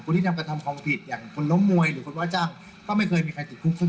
คนที่กำลังทำความผิดอย่างคนล้มมวยของการมวยหรือคนว่าว่าจ้างก็ไม่เคยมีใครติดคุกซักทีหนึ่ง